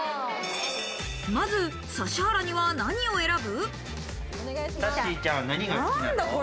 まず指原には何を選ぶ？